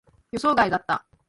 予想外だった。